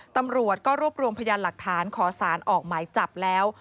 ตำรวจก็รวบรวมพยานหลักฐานขอสารออกหมายจับแล้ว